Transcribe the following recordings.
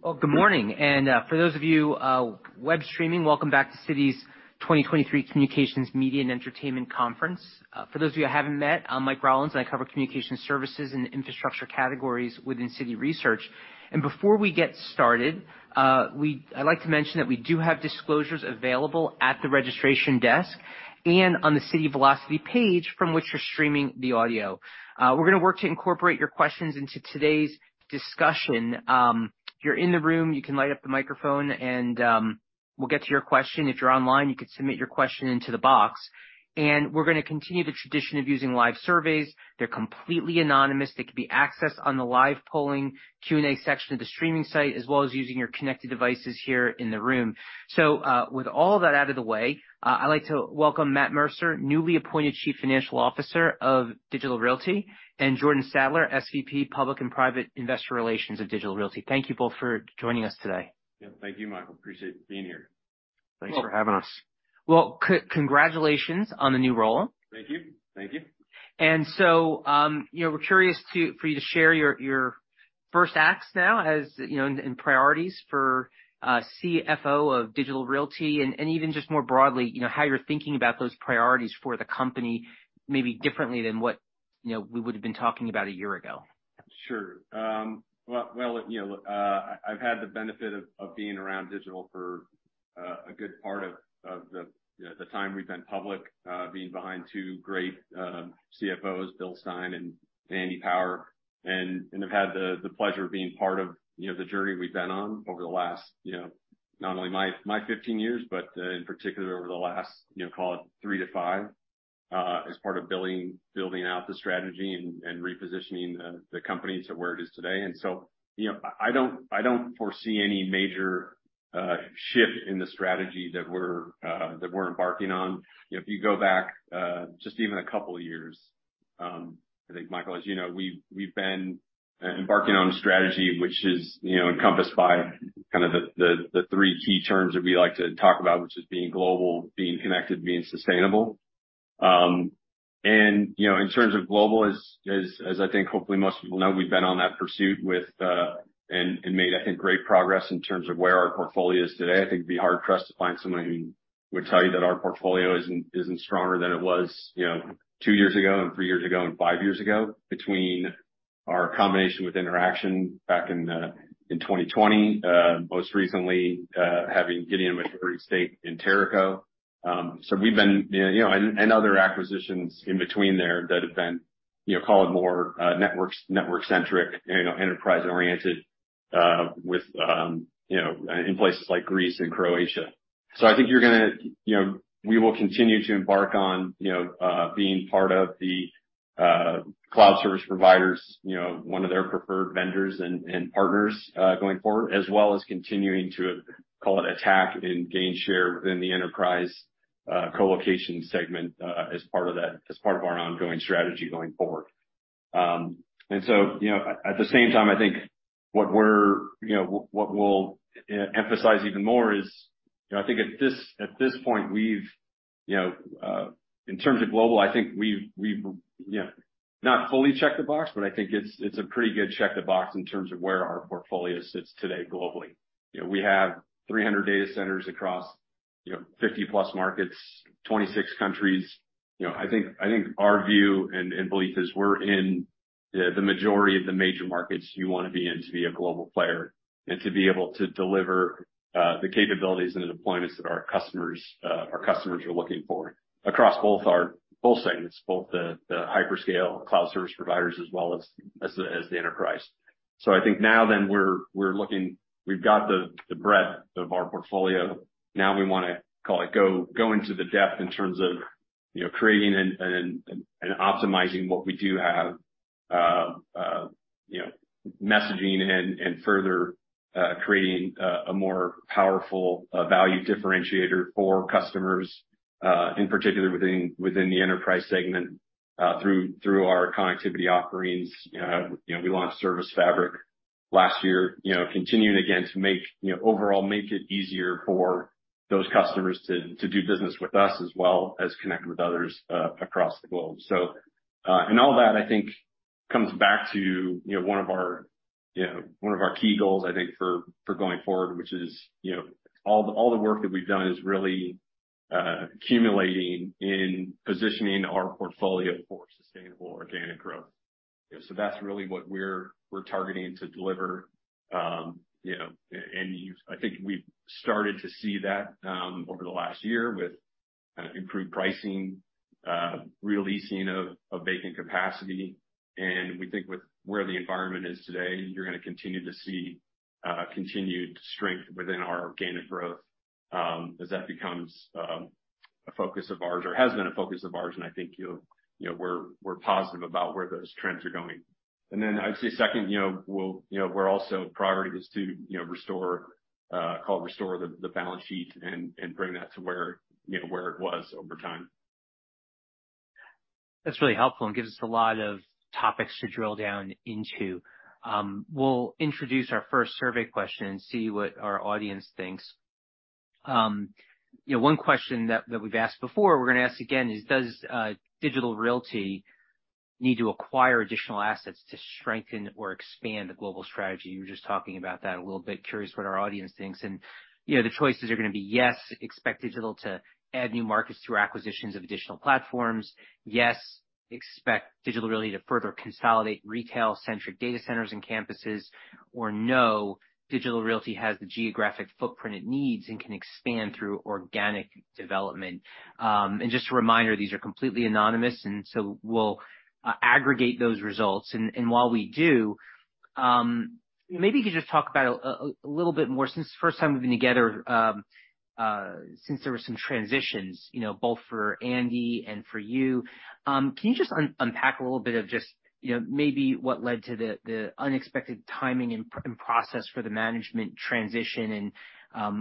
Well, good morning. For those of you, web streaming, welcome back to Citi's 2023 Communications, Media and Entertainment Conference. For those of you I haven't met, I'm Mike Rollins, and I cover communication services and infrastructure categories within Citi Research. Before we get started, I'd like to mention that we do have disclosures available at the registration desk and on the Citi Velocity page from which you're streaming the audio. We're gonna work to incorporate your questions into today's discussion. If you're in the room, you can light up the microphone and we'll get to your question. If you're online, you can submit your question into the box. We're gonna continue the tradition of using live surveys. They're completely anonymous. They can be accessed on the live polling Q&A section of the streaming site, as well as using your connected devices here in the room. With all that out of the way, I'd like to welcome Matt Mercier, newly appointed Chief Financial Officer of Digital Realty; and Jordan Sadler, SVP, Public and Private Investor Relations of Digital Realty. Thank you both for joining us today. Yeah. Thank you, Michael. Appreciate being here. Thanks for having us. Well, congratulations on the new role. Thank you. Thank you. You know, we're curious for you to share your first acts now, as, you know, and priorities for CFO of Digital Realty and even just more broadly, you know, how you're thinking about those priorities for the company, maybe differently than what, you know, we would've been talking about a year ago. Sure. Well, you know, I've had the benefit of being around Digital Realty for a good part of the, you know, the time we've been public, being behind two great CFOs, Bill Stein and Andy Power. Have had the pleasure of being part of, you know, the journey we've been on over the last, you know, not only my 15 years, but in particular over the last, you know, call it three to five, as part of building out the strategy and repositioning the company to where it is today. You know, I don't foresee any major shift in the strategy that we're embarking on. You know, if you go back, just even a couple years, I think, Michael, as you know, we've been embarking on a strategy which is, you know, encompassed by kind of the three key terms that we like to talk about, which is being global, being connected, being sustainable. You know, in terms of global, as I think hopefully most people know, we've been on that pursuit with, and made, I think, great progress in terms of where our portfolio is today. I think it'd be hard-pressed to find somebody who would tell you that our portfolio isn't stronger than it was, you know, two years ago and three years ago and five years ago, between our combination with Interxion back in 2020. Most recently, getting a majority stake in Teraco. So we've been, you know, other acquisitions in between there that have been, you know, call it more, networks, network-centric, you know, enterprise-oriented, with, you know, in places like Greece and Croatia. I think you're gonna, you know, we will continue to embark on, you know, being part of the cloud service providers, you know, one of their preferred vendors and partners going forward, as well as continuing to call it attack and gain share within the enterprise colocation segment as part of that, as part of our ongoing strategy going forward. you know, at the same time, I think what we're, you know, what we'll emphasize even more is, you know, I think at this, at this point, we've, you know, in terms of global, I think we've, you know, not fully checked the box, but I think it's a pretty good check the box in terms of where our portfolio sits today globally. You know, we have 300 data centers across, you know, 50+ markets, 26 countries. You know, I think our view and belief is we're in the majority of the major markets you wanna be in to be a global player and to be able to deliver the capabilities and the deployments that our customers are looking for across both segments, both the hyperscale cloud service providers as well as the enterprise. I think now then we're looking, we've got the breadth of our portfolio. Now we wanna call it go into the depth in terms of, you know, creating and optimizing what we do have, you know, messaging and further creating a more powerful value differentiator for customers in particular within the enterprise segment through our connectivity offerings. You know, we launched ServiceFabric last year, you know, continuing again to make, you know, overall make it easier for those customers to do business with us as well as connect with others across the globe. All that, I think, comes back to, you know, one of our, you know, one of our key goals, I think for going forward, which is, you know, all the, all the work that we've done is really accumulating in positioning our portfolio for sustainable organic growth. That's really what we're targeting to deliver. You know, I think we've started to see that over the last year with improved pricing, re-leasing of vacant capacity. We think with where the environment is today, you're gonna continue to see continued strength within our organic growth as that becomes a focus of ours, or has been a focus of ours. I think you'll, you know, we're positive about where those trends are going. I would say second, you know, we'll, you know, we're also priority is to, you know, restore, call it restore the balance sheet and bring that to where, you know, where it was over time. That's really helpful and gives us a lot of topics to drill down into. We'll introduce our first survey question and see what our audience thinks. You know, one question that we've asked before, we're gonna ask again is, does Digital Realty need to acquire additional assets to strengthen or expand the global strategy? You were just talking about that a little bit. Curious what our audience thinks. You know, the choices are gonna be yes, expect Digital to add new markets through acquisitions of additional platforms. Yes, expect Digital Realty to further consolidate retail centric data centers and campuses. No, Digital Realty has the geographic footprint it needs and can expand through organic development. Just a reminder, these are completely anonymous, and so we'll aggregate those results. While we do, maybe you could just talk about a little bit more since the first time we've been together, since there were some transitions, you know, both for Andy and for you. Can you just unpack a little bit of just, you know, maybe what led to the unexpected timing and process for the management transition?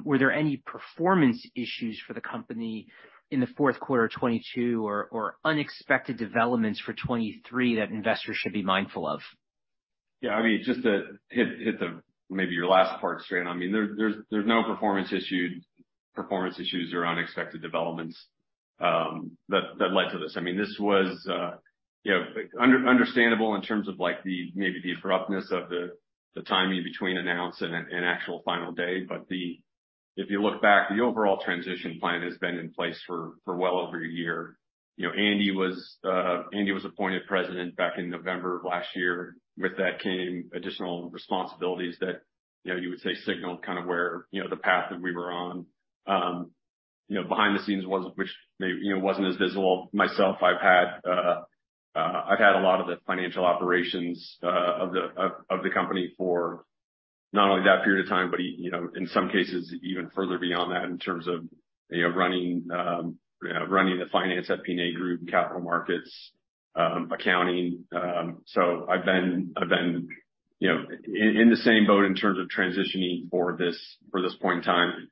Were there any performance issues for the company in the fourth quarter of 2022 or unexpected developments for 2023 that investors should be mindful of? I mean, just to hit the maybe your last part straight. I mean, there's no performance issues or unexpected developments that led to this. I mean, this was, you know, understandable in terms of like the maybe the abruptness of the timing between announce and actual final day. If you look back, the overall transition plan has been in place for well over a year. You know, Andy was appointed president back in November of last year. With that came additional responsibilities that, you know, you would say signaled kind of where, you know, the path that we were on. You know, behind the scenes was which may, you know, wasn't as visible. Myself, I've had a lot of the financial operations of the company for not only that period of time, but you know, in some cases, even further beyond that in terms of, you know, running, you know, running the finance at PNA Group, capital markets, accounting. I've been, you know, in the same boat in terms of transitioning for this point in time.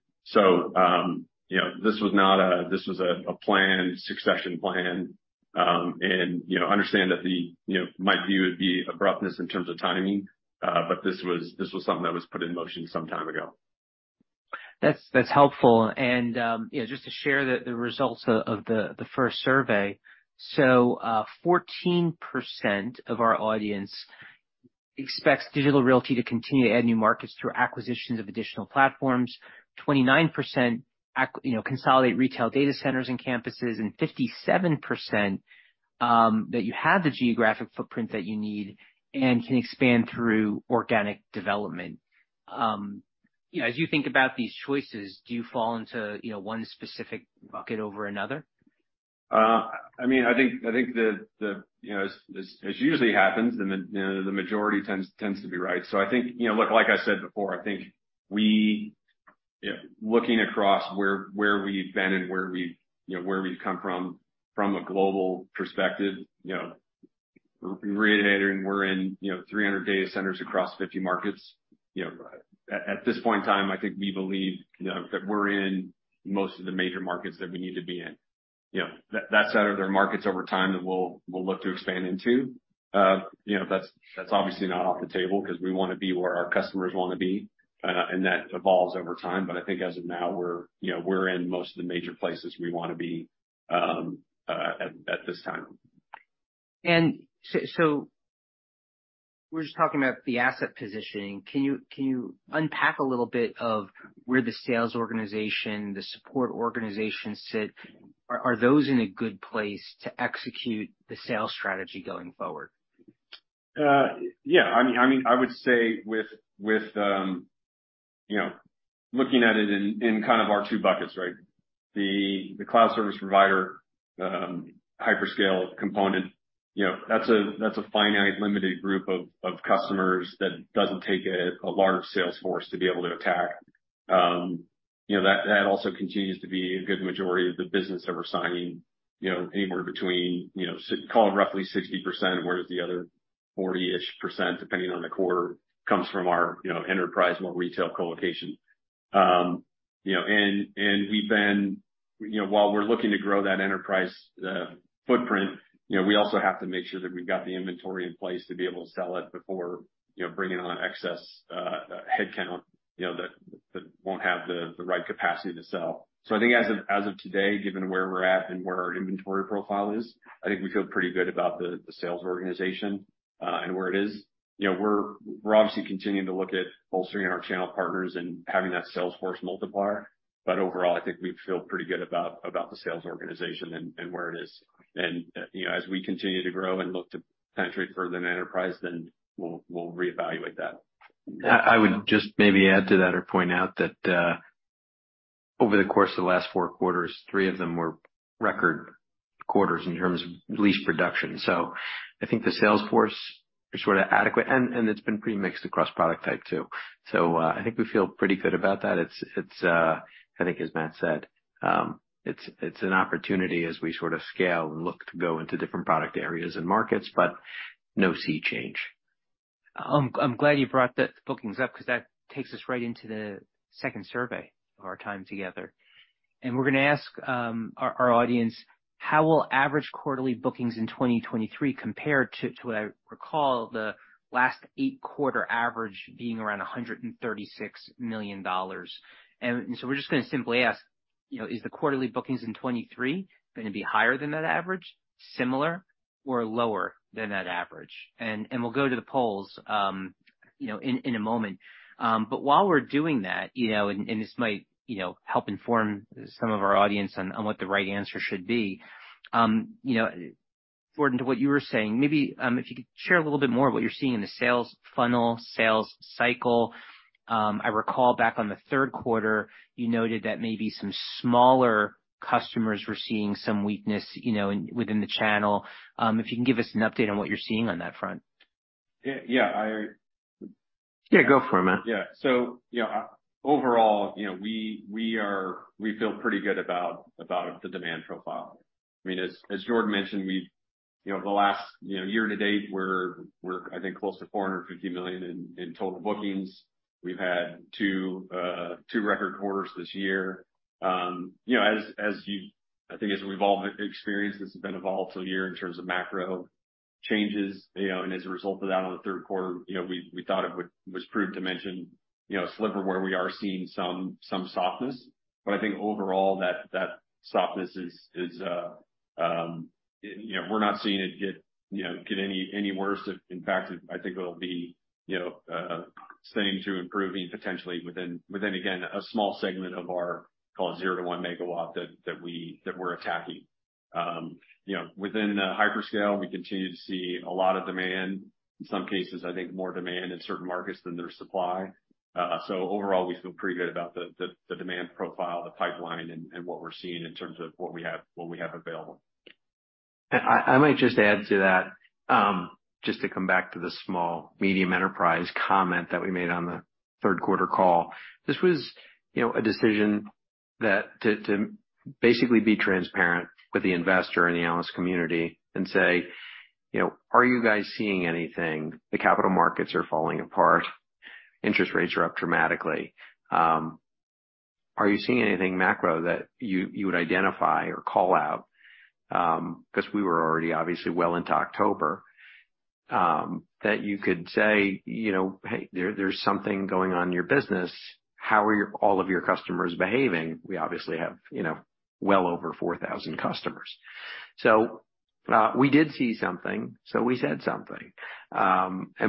You know, this was a planned succession plan. You know, understand that the, you know, my view would be abruptness in terms of timing, but this was something that was put in motion some time ago. That's helpful. you know, just to share the results of the first survey. 14% of our audience expects Digital Realty to continue to add new markets through acquisitions of additional platforms. 29% you know, consolidate retail data centers and campuses. 57% that you have the geographic footprint that you need and can expand through organic development. you know, as you think about these choices, do you fall into, you know, one specific bucket over another? I mean, I think the, you know, as usually happens, the majority tends to be right. I think, you know, like I said before, I think we, you know, looking across where we've been and where we, you know, where we've come from a global perspective, you know, reiterating we're in, you know, 300 data centers across 50 markets. You know, at this point in time, I think we believe, you know, that we're in most of the major markets that we need to be in. You know, that said, are there markets over time that we'll look to expand into? You know, that's obviously not off the table 'cause we wanna be where our customers wanna be, and that evolves over time. I think as of now, we're, you know, we're in most of the major places we wanna be, at this time. We're just talking about the asset positioning. Can you unpack a little bit of where the sales organization, the support organization sit? Are those in a good place to execute the sales strategy going forward? Yeah. I mean, I would say with, you know, looking at it in kind of our two buckets, right? The cloud service provider, hyperscale component, you know, that's a finite limited group of customers that doesn't take a large sales force to be able to attack. You know, that also continues to be a good majority of the business that we're signing, you know, anywhere between, call it roughly 60%, whereas the other 40%-ish, depending on the quarter, comes from our, you know, enterprise, more retail colocation. You know, and we've been, you know, while we're looking to grow that enterprise footprint, you know, we also have to make sure that we've got the inventory in place to be able to sell it before, you know, bringing on excess headcount, you know, that won't have the right capacity to sell. I think as of today, given where we're at and where our inventory profile is, I think we feel pretty good about the sales organization and where it is. You know, we're obviously continuing to look at bolstering our channel partners and having that sales force multiplier. Overall, I think we feel pretty good about the sales organization and where it is. You know, as we continue to grow and look to penetrate further than enterprise, then we'll reevaluate that. I would just maybe add to that or point out that, over the course of the last four quarters, three of them were record quarters in terms of lease production. I think the sales force is sort of adequate, and it's been pretty mixed across product type too. I think we feel pretty good about that. It's, I think as Matt said, it's an opportunity as we sort of scale and look to go into different product areas and markets, but no sea change. I'm glad you brought the bookings up because that takes us right into the second survey of our time together. We're gonna ask our audience, how will average quarterly bookings in 2023 compare to what I recall the last eight quarter average being around $136 million? We're just gonna simply ask, you know, is the quarterly bookings in 2023 gonna be higher than that average, similar, or lower than that average? We'll go to the polls, you know, in a moment. While we're doing that, you know, and this might, you know, help inform some of our audience on what the right answer should be, you know, Jordan, to what you were saying, maybe, if you could share a little bit more of what you're seeing in the sales funnel, sales cycle. I recall back on the third quarter, you noted that maybe some smaller customers were seeing some weakness, you know, in, within the channel. If you can give us an update on what you're seeing on that front. Yeah. Yeah, go for it, Matt. Yeah. you know, overall, you know, we feel pretty good about the demand profile. I mean, as Jordan mentioned, we've, you know, the last, you know, year to date, we're, I think, close to $450 million in total bookings. We've had two record quarters this year. you know, as I think as we've all experienced, this has been a volatile year in terms of macro changes, you know, and as a result of that, on the third quarter, you know, we thought it was prudent to mention, you know, a sliver where we are seeing some softness. I think overall that softness is, you know, we're not seeing it get, you know, any worse. In fact, I think it'll be, you know, staying through improving potentially within, again, a small segment of our call it 0 MW-1 MW that we're attacking. You know, within hyperscale, we continue to see a lot of demand. In some cases, I think more demand in certain markets than their supply. Overall, we feel pretty good about the demand profile, the pipeline and what we're seeing in terms of what we have available. I might just add to that, just to come back to the small medium enterprise comment that we made on the third quarter call. This was, you know, a decision to basically be transparent with the investor and the analyst community and say, you know, "Are you guys seeing anything? The capital markets are falling apart. Interest rates are up dramatically. Are you seeing anything macro that you would identify or call out?" 'Cause we were already obviously well into October, that you could say, you know, "Hey, there's something going on in your business. How are all of your customers behaving?" We obviously have, you know, well over 4,000 customers. We did see something, so we said something.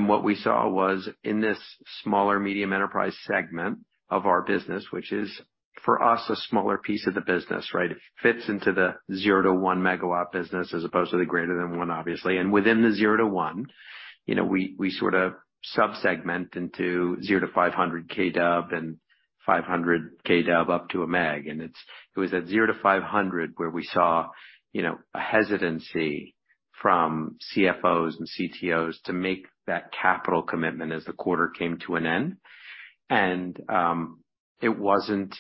What we saw was in this smaller medium enterprise segment of our business, which is for us a smaller piece of the business, right? It fits into the 0 MW-1 MW business as opposed to the greater than one, obviously. Within the 0 MW-1 MW, you know, we sort of sub-segment into 0 kW-500 kW and 500 kW up to a meg. It was at 0 kW-500 kW where we saw, you know, a hesitancy from CFOs and CTOs to make that capital commitment as the quarter came to an end. It was an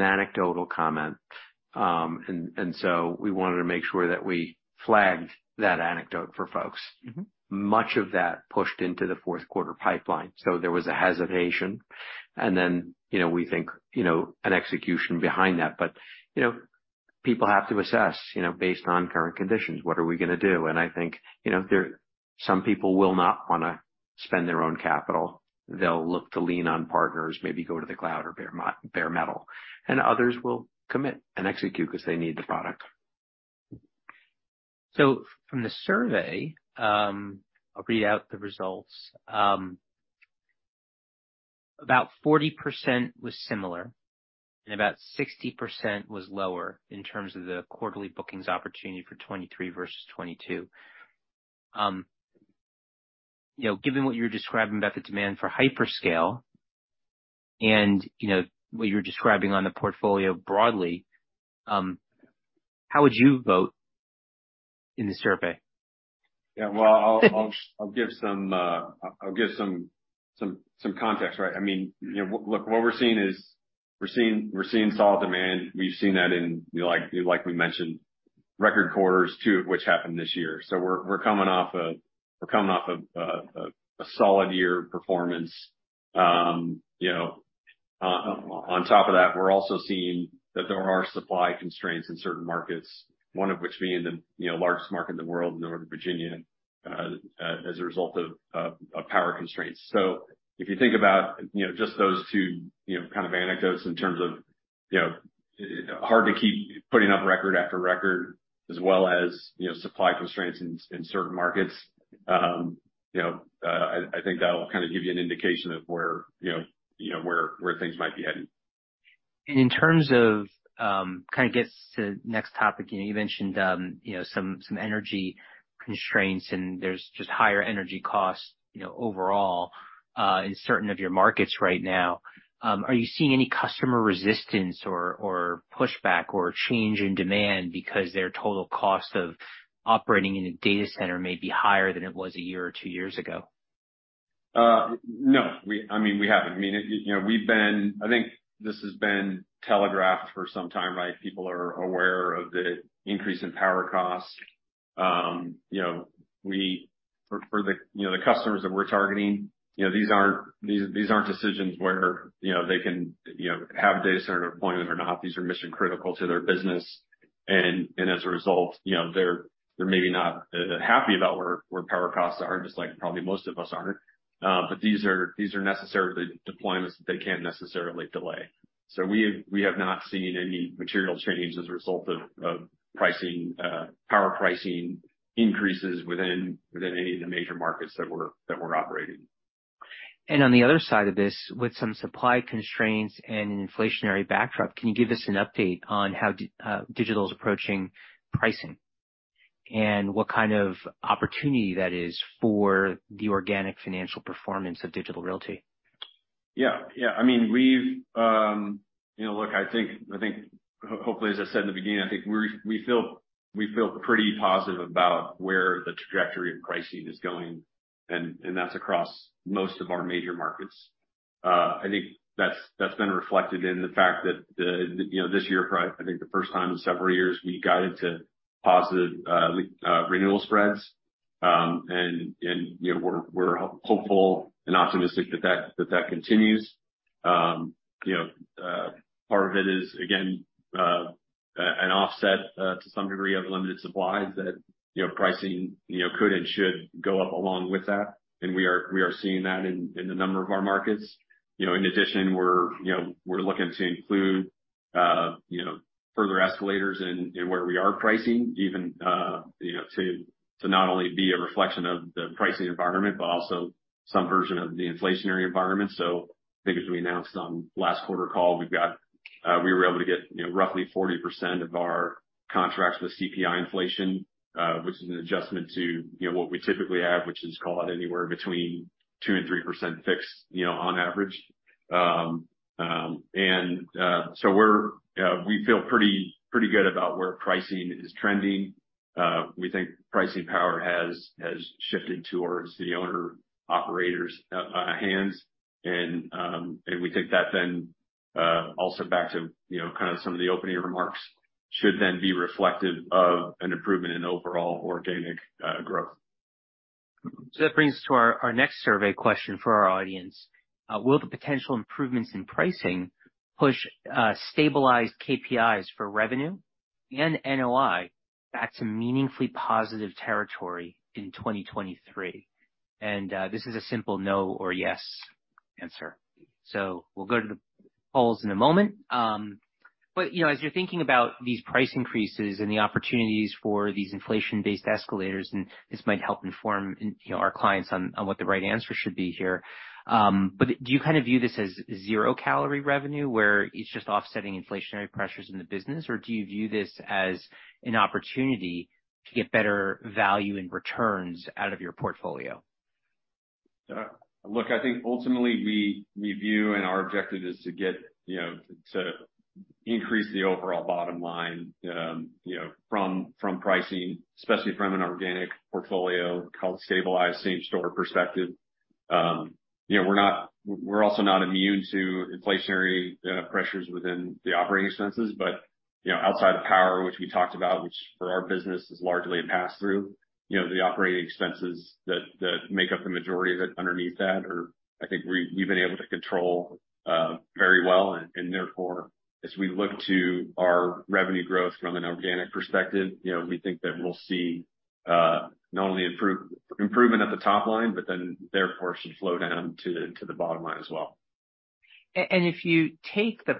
anecdotal comment. We wanted to make sure that we flagged that anecdote for folks. Mm-hmm. Much of that pushed into the fourth quarter pipeline. There was a hesitation. You know, we think, you know, an execution behind that. You know, people have to assess, you know, based on current conditions, what are we gonna do? I think, you know, some people will not wanna spend their own capital. They'll look to lean on partners, maybe go to the cloud or bare metal. Others will commit and execute 'cause they need the product. From the survey, I'll read out the results. About 40% was similar and about 60% was lower in terms of the quarterly bookings opportunity for 2023 versus 2022. You know, given what you're describing about the demand for hyperscale and, you know, what you're describing on the portfolio broadly, how would you vote in the survey? Yeah. Well, I'll give some context, right? I mean, you know, look, what we're seeing is we're seeing solid demand. We've seen that in, you know, like we mentioned, record quarters, two of which happened this year. We're coming off a solid year of performance. You know, on top of that, we're also seeing that there are supply constraints in certain markets, one of which being the, you know, largest market in the world in Northern Virginia, as a result of power constraints. If you think about, you know, just those two, you know, kind of anecdotes in terms of, you know, hard to keep putting up record after record as well as, you know, supply constraints in certain markets, you know, I think that'll kind of give you an indication of where, you know, where things might be heading. In terms of, kind of gets to next topic. You know, you mentioned, you know, some energy constraints, and there's just higher energy costs, you know, overall, in certain of your markets right now. Are you seeing any customer resistance or pushback or change in demand because their total cost of operating in a data center may be higher than it was a year or two years ago? No. I mean, we haven't. I mean, you know, I think this has been telegraphed for some time, right? People are aware of the increase in power costs. You know, for the customers that we're targeting, you know, these aren't decisions where, you know, they can, you know, have data center deployment or not. These are mission critical to their business. As a result, you know, they're maybe not happy about where power costs are, just like probably most of us aren't. These are necessarily deployments that they can't necessarily delay. We have not seen any material change as a result of pricing, power pricing increases within any of the major markets that we're operating. On the other side of this, with some supply constraints and an inflationary backdrop, can you give us an update on how Digital is approaching pricing and what kind of opportunity that is for the organic financial performance of Digital Realty? Yeah. Yeah. I mean, we've, you know, look, I think, I think hopefully, as I said in the beginning, I think we feel pretty positive about where the trajectory of pricing is going, and that's across most of our major markets. I think that's been reflected in the fact that the, you know, this year, I think the first time in several years, we guided to positive renewal spreads. You know, we're hopeful and optimistic that that continues. You know, part of it is, again, an offset to some degree of limited supplies that, you know, pricing, you know, could and should go up along with that. We are seeing that in a number of our markets. You know, in addition, we're, you know, we're looking to include, you know, further escalators in where we are pricing even, you know, to not only be a reflection of the pricing environment, but also some version of the inflationary environment. I think as we announced on last quarter call, we've got, we were able to get, you know, roughly 40% of our contracts with CPI inflation, which is an adjustment to, you know, what we typically have, which is call it anywhere between 2% and 3% fixed, you know, on average. We feel pretty good about where pricing is trending. We think pricing power has shifted towards the owner operator's hands. And we think that then, also back to, you know, kind of some of the opening remarks should then be reflective of an improvement in overall organic growth. That brings us to our next survey question for our audience. Will the potential improvements in pricing push stabilized KPIs for revenue and NOI back to meaningfully positive territory in 2023? This is a simple no or yes answer. We'll go to the polls in a moment. But, you know, as you're thinking about these price increases and the opportunities for these inflation-based escalators, and this might help inform, you know, our clients on what the right answer should be here. But do you kind of view this as zero calorie revenue, where it's just offsetting inflationary pressures in the business? Or do you view this as an opportunity to get better value and returns out of your portfolio? Look, I think ultimately we view and our objective is to get, you know, to increase the overall bottom line, you know, from pricing, especially from an organic portfolio called stabilized same store perspective. You know, we're also not immune to inflationary pressures within the operating expenses. You know, outside of power, which we talked about, which for our business is largely a pass through. You know, the operating expenses that make up the majority of it underneath that are, I think we've been able to control very well. Therefore, as we look to our revenue growth from an organic perspective, you know, we think that we'll see not only improvement at the top line, but then therefore should flow down to the bottom line as well. If you take the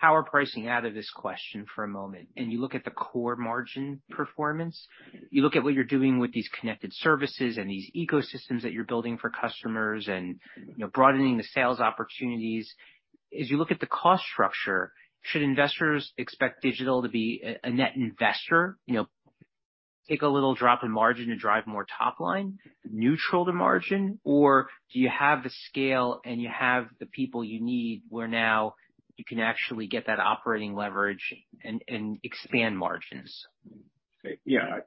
power pricing out of this question for a moment, and you look at the core margin performance, you look at what you're doing with these connected services and these ecosystems that you're building for customers and, you know, broadening the sales opportunities. As you look at the cost structure, should investors expect Digital to be a net investor? You know, take a little drop in margin to drive more top line neutral to margin? Do you have the scale and you have the people you need, where now you can actually get that operating leverage and expand margins? Yeah.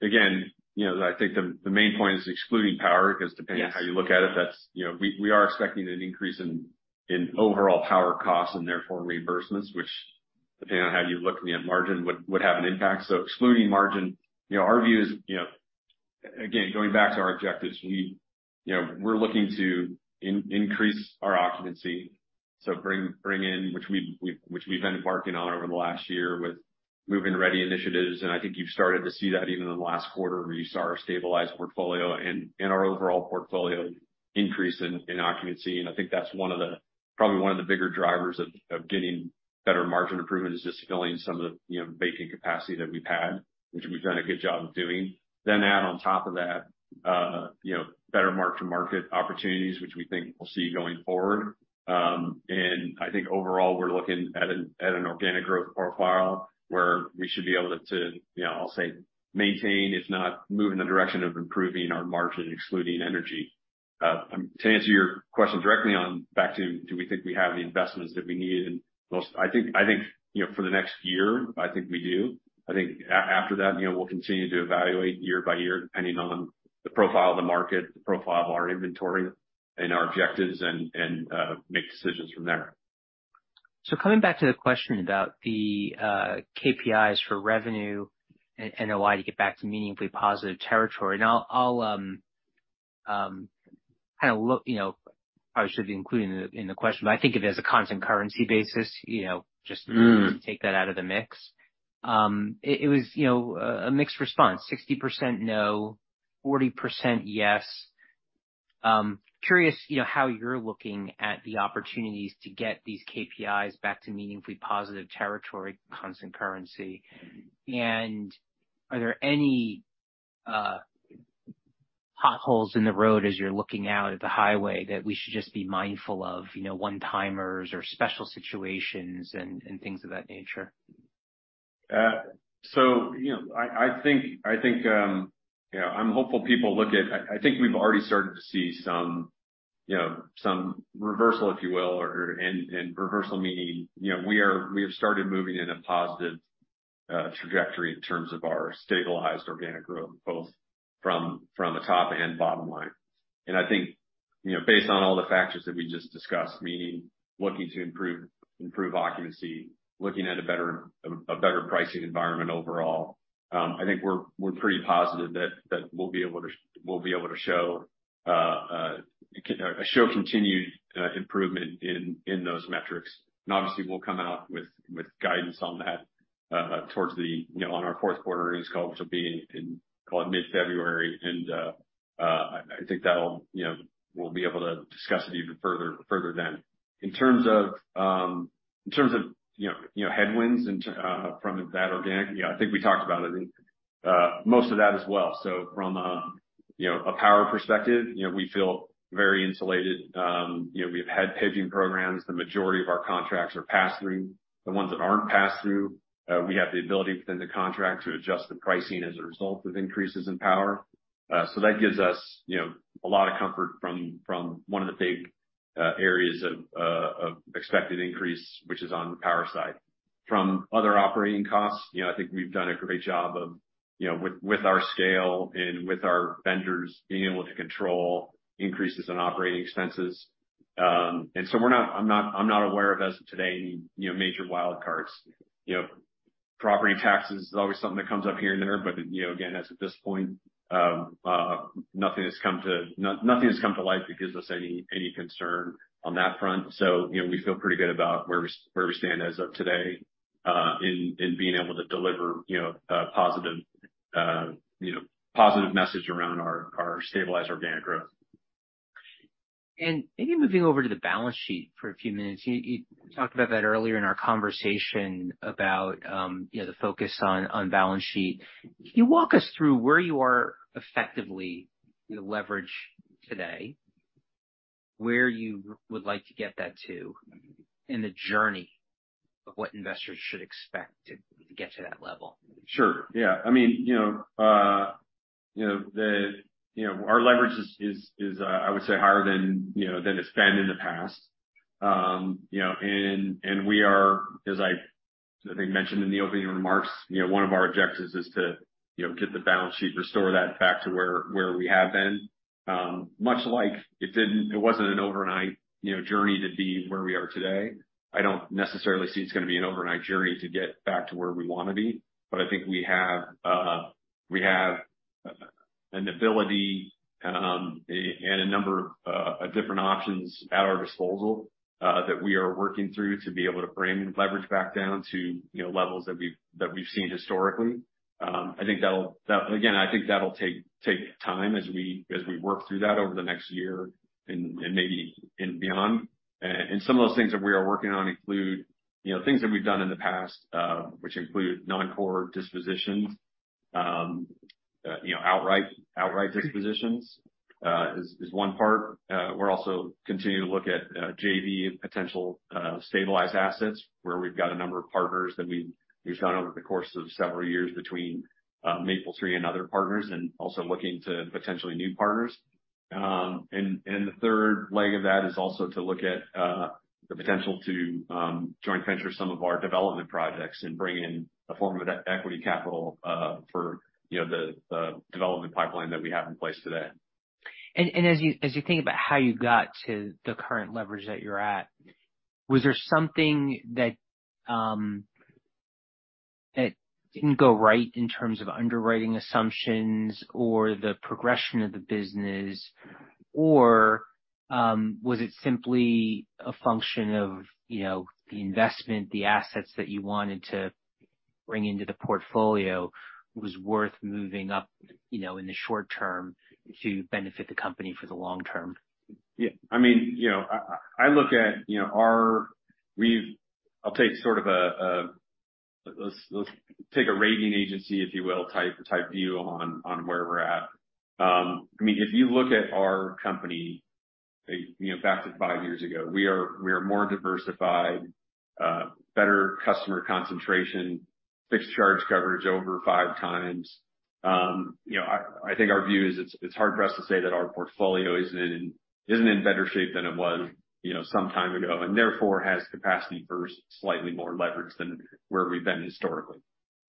Again, you know, I think the main point is excluding power, because depending- Yes. On how you look at it, that's, you know, we are expecting an increase in overall power costs and therefore reimbursements, which depending on how you're looking at margin, would have an impact. Excluding margin, you know, our view is, you know, again, going back to our objectives, we, you know, we're looking to increase our occupancy, so bring in which we've been embarking on over the last year with move-in ready initiatives. I think you've started to see that even in the last quarter where you saw our stabilized portfolio and our overall portfolio increase in occupancy. I think that's one of the, probably one of the bigger drivers of getting better margin improvement is just filling some of the, you know, vacant capacity that we've had, which we've done a good job of doing. Then add on top of that, you know, better mark to market opportunities, which we think we'll see going forward. I think overall, we're looking at an organic growth profile where we should be able to, you know, I'll say, maintain, if not move in the direction of improving our margin excluding energy. To answer your question directly on back to do we think we have the investments that we need? Most I think, you know, for the next year, I think we do. I think after that, you know, we'll continue to evaluate year by year, depending on the profile of the market, the profile of our inventory and our objectives and make decisions from there. Coming back to the question about the KPIs for revenue and NOI to get back to meaningfully positive territory. Now I'll kind of look, you know, I should include in the question, but I think of it as a constant currency basis, you know. Mm. Take that out of the mix. it was, you know, a mixed response, 60% no, 40% yes. curious, you know, how you're looking at the opportunities to get these KPIs back to meaningfully positive territory, constant currency. Are there any potholes in the road as you're looking out at the highway that we should just be mindful of, you know, one-timers or special situations and things of that nature? You know, I think, you know, I'm hopeful people look at. I think we've already started to see some, you know, some reversal, if you will, or, and reversal meaning, you know, we have started moving in a positive trajectory in terms of our stabilized organic growth, both from the top and bottom line. I think, you know, based on all the factors that we just discussed, meaning looking to improve occupancy, looking at a better pricing environment overall, I think we're pretty positive that we'll be able to show continued improvement in those metrics. Obviously, we'll come out with guidance on that, towards the, you know, on our fourth quarter earnings call, which will be in call it mid-February. I think that'll, you know, we'll be able to discuss it even further then. In terms of, in terms of, you know, headwinds from that organic, you know, I think we talked about it, most of that as well. From, you know, a power perspective, you know, we feel very insulated. You know, we've had hedging programs. The majority of our contracts are pass through. The ones that aren't pass through, we have the ability within the contract to adjust the pricing as a result of increases in power. That gives us, you know, a lot of comfort from one of the big areas of expected increase, which is on the power side. From other operating costs, you know, I think we've done a great job of, you know, with our scale and with our vendors being able to control increases in operating expenses. I'm not, I'm not aware of as of today any, you know, major wild cards. You know, property tax is always something that comes up here and there. You know, again, as of this point, nothing has come to light that gives us any concern on that front. You know, we feel pretty good about where we stand as of today, in being able to deliver, you know, a positive, you know, positive message around our stabilized organic growth. Maybe moving over to the balance sheet for a few minutes. You talked about that earlier in our conversation about, you know, the focus on balance sheet. Can you walk us through where you are effectively, you know, leverage today, where you would like to get that to, and the journey of what investors should expect to get to that level? Sure. Yeah. I mean, you know, you know, the, you know, our leverage is, I would say, higher than, you know, than it's been in the past. You know, and we are, as I think mentioned in the opening remarks, you know, one of our objectives is to, you know, get the balance sheet, restore that back to where we have been. Much like it wasn't an overnight, you know, journey to be where we are today. I don't necessarily see it's gonna be an overnight journey to get back to where we wanna be. I think we have an ability, and a number of different options at our disposal, that we are working through to be able to bring leverage back down to, you know, levels that we've, that we've seen historically. I think that'll again, I think that'll take time as we work through that over the next year and maybe and beyond. Some of those things that we are working on include, you know, things that we've done in the past, which include non-core dispositions. You know, outright dispositions is one part. We're also continuing to look at JV and potential stabilized assets where we've got a number of partners that we've done over the course of several years between Mapletree and other partners, and also looking to potentially new partners. The third leg of that is also to look at the potential to joint venture some of our development projects and bring in a form of e-equity capital for, you know, the development pipeline that we have in place today. As you think about how you got to the current leverage that you're at, was there something that didn't go right in terms of underwriting assumptions or the progression of the business? Or was it simply a function of, you know, the investment, the assets that you wanted to bring into the portfolio was worth moving up, you know, in the short term to benefit the company for the long term? Yeah. I mean, you know, I look at, you know, I'll take sort of a, let's take a rating agency, if you will, type view on where we're at. I mean, if you look at our company, you know, back to five years ago, we are more diversified, better customer concentration, fixed charge coverage over five times. You know, I think our view is it's hard pressed to say that our portfolio isn't in better shape than it was, you know, some time ago, and therefore has capacity for slightly more leverage than where we've been historically.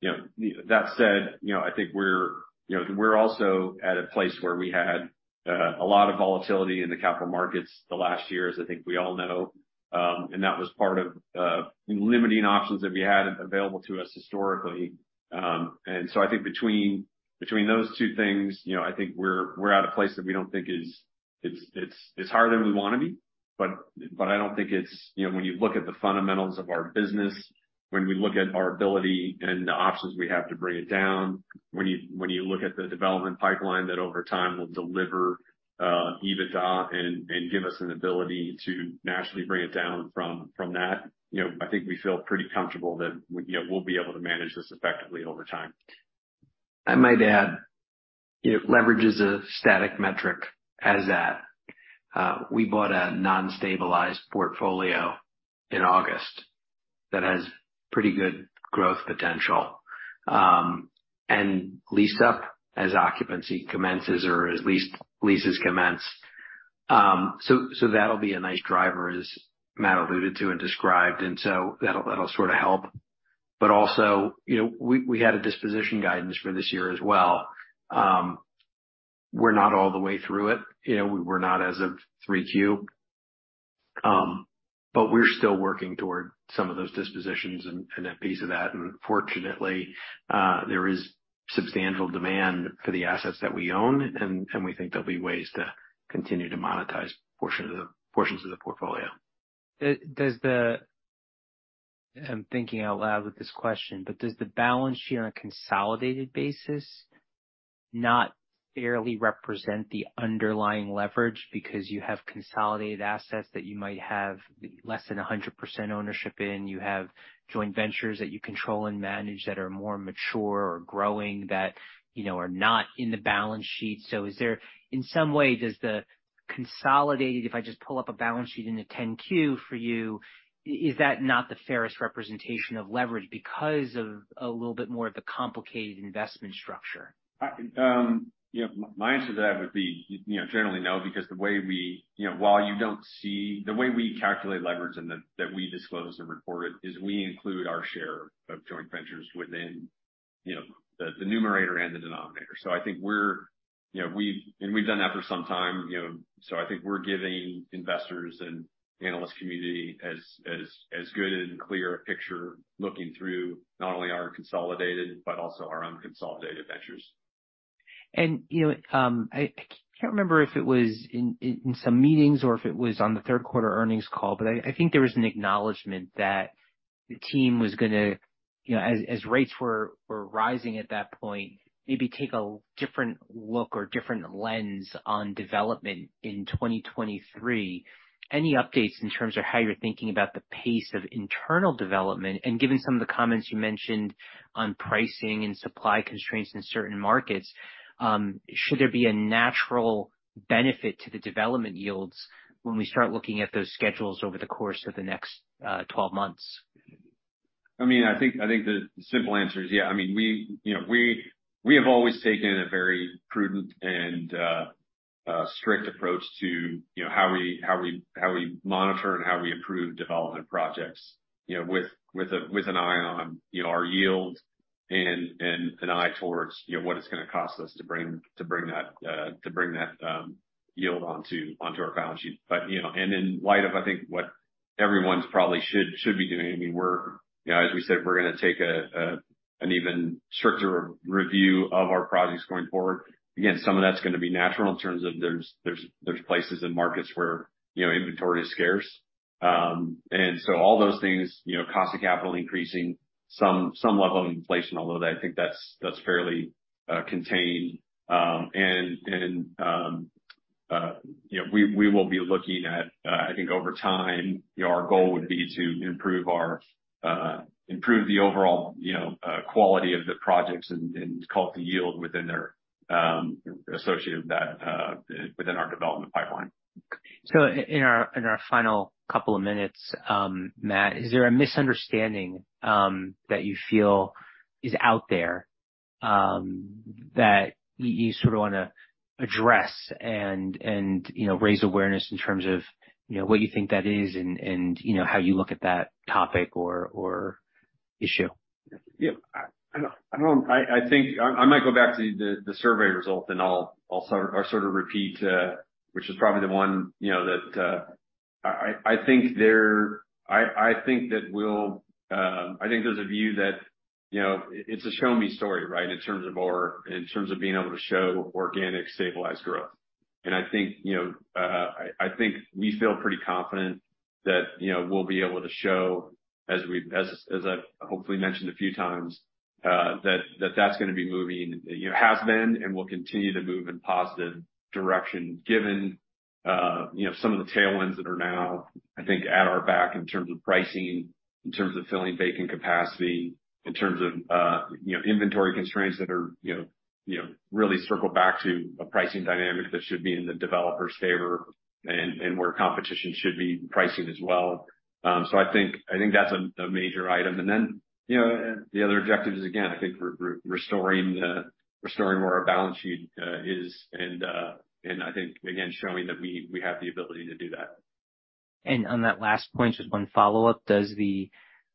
You know, that said, you know, I think we're, you know, we're also at a place where we had a lot of volatility in the capital markets the last years, I think we all know. That was part of limiting options that we had available to us historically. I think between those two things, you know, I think we're at a place that we don't think is. It's harder than we wanna be, but I don't think it's, you know, when you look at the fundamentals of our business, when we look at our ability and the options we have to bring it down, when you, when you look at the development pipeline that over time will deliver EBITDA and give us an ability to naturally bring it down from that, you know, I think we feel pretty comfortable that, you know, we'll be able to manage this effectively over time. I might add, you know, leverage is a static metric as that. We bought a non-stabilized portfolio in August that has pretty good growth potential, and leased up as occupancy commences or as leases commence. So that'll be a nice driver, as Matt alluded to and described. So that'll sort of help. Also, you know, we had a disposition guidance for this year as well. We're not all the way through it. You know, we're not as of 3Q, but we're still working toward some of those dispositions and a piece of that. Fortunately, there is substantial demand for the assets that we own, and we think there'll be ways to continue to monetize portions of the portfolio. I'm thinking out loud with this question, but does the balance sheet on a consolidated basis not fairly represent the underlying leverage because you have consolidated assets that you might have less than 100% ownership in? You have joint ventures that you control and manage that are more mature or growing that, you know, are not in the balance sheet. Does the consolidated, if I just pull up a balance sheet in the 10-Q for you, is that not the fairest representation of leverage because of a little bit more of the complicated investment structure? I, you know, my answer to that would be, you know, generally no, because, you know, while you don't see the way we calculate leverage and that we disclose and report it, is we include our share of joint ventures within, you know, the numerator and the denominator. I think we're, you know, and we've done that for some time, you know. I think we're giving investors and analyst community as good and clear a picture looking through not only our consolidated but also our unconsolidated ventures. You know, I can't remember if it was in some meetings or if it was on the third quarter earnings call, but I think there was an acknowledgement that the team was gonna, you know, as rates were rising at that point, maybe take a different look or different lens on development in 2023. Any updates in terms of how you're thinking about the pace of internal development? Given some of the comments you mentioned on pricing and supply constraints in certain markets, should there be a natural benefit to the development yields when we start looking at those schedules over the course of the next 12 months? I mean, I think the simple answer is yeah. I mean, we, you know, we have always taken a very prudent and strict approach to, you know, how we, how we monitor and how we improve development projects, you know, with an eye on, you know, our yield and an eye towards, you know, what it's gonna cost us to bring that, to bring that yield onto our balance sheet. You know, and in light of, I think, what everyone's probably should be doing, I mean, we're, you know, as we said, we're gonna take an even stricter review of our projects going forward. Again, some of that's gonna be natural in terms of there's places and markets where, you know, inventory is scarce. All those things, you know, cost of capital increasing, some level of inflation, although I think that's fairly contained. You know, we will be looking at, I think over time, our goal would be to improve our, improve the overall, you know, quality of the projects and call it the yield within their, associated that, within our development pipeline. In our final couple of minutes, Matt, is there a misunderstanding that you feel is out there that you sort of wanna address and, you know, raise awareness in terms of, you know, what you think that is and, you know, how you look at that topic or issue? Yeah. I don't, I think I might go back to the survey result and I'll sort of repeat, which is probably the one, you know, that I think that we'll, I think there's a view that, you know, it's a show me story, right? In terms of being able to show organic stabilized growth. I think, you know, I think we feel pretty confident that, you know, we'll be able to show as we've, as I've hopefully mentioned a few times, that's gonna be moving, you know, has been and will continue to move in positive direction given, you know, some of the tailwinds that are now, I think, at our back in terms of pricing, in terms of filling vacant capacity, in terms of, you know, inventory constraints that are, you know, really circle back to a pricing dynamic that should be in the developer's favor and where competition should be pricing as well. I think that's a major item. Then, you know, the other objective is, again, I think restoring the, restoring where our balance sheet is. I think, again, showing that we have the ability to do that. On that last point, just one follow-up. Does the,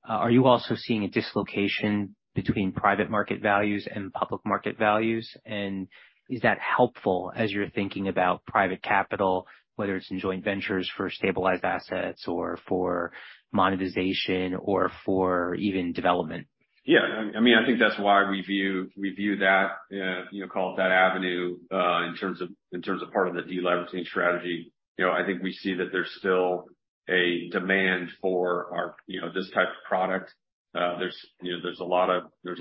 are you also seeing a dislocation between private market values and public market values? Is that helpful as you're thinking about private capital, whether it's in joint ventures for stabilized assets or for monetization or for even development? I mean, I think that's why we view that, you know, call it that avenue, in terms of part of the deleveraging strategy. You know, I think we see that there's still a demand for our, you know, this type of product. There's, you know, there's a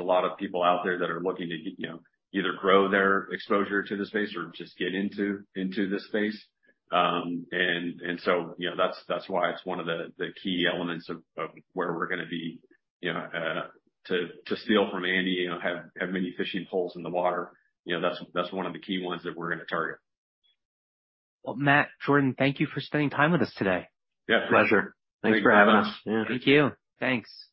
lot of people out there that are looking to, you know, either grow their exposure to the space or just get into this space. You know, that's why it's one of the key elements of where we're gonna be, you know, to steal from Andy, you know, have many fishing poles in the water. You know, that's one of the key ones that we're gonna target. Well, Matt, Jordan, thank you for spending time with us today. Yeah. Pleasure. Thanks for having us. Thank you. Thanks.